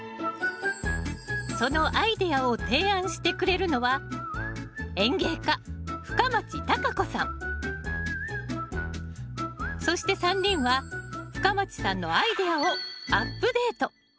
そのアイデアを提案してくれるのはそして３人は深町さんのアイデアをアップデート。